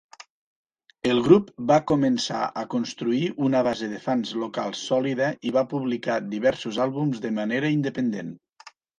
El grup va començar a construir una base de fans locals sòlida i va publicar diversos àlbums de manera independent.